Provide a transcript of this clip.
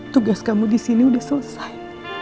tugas kamu disini udah selesai